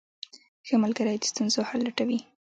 ښه ملګری د ستونزو حل لټوي.